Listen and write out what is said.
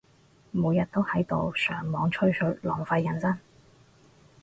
每日都喺度上網吹水，浪費人生